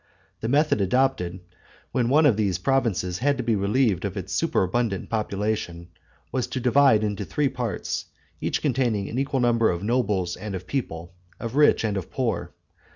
The method adopted, when one of these provinces had to be relieved of its superabundant population, was to divide into three parts, each containing an equal number of nobles and of people, of rich and of poor.